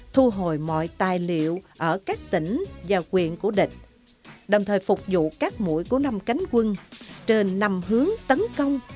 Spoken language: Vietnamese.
thu hồi mọi tài liệu ở các tỉnh và quyền của địch đồng thời phục vụ các mũi của năm cánh quân trên nằm hướng tấn công